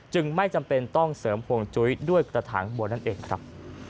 ไม่จำเป็นต้องเสริมห่วงจุ้ยด้วยกระถางบัวนั่นเองครับ